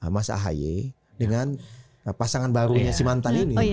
mas ahaye dengan pasangan barunya si mantan ini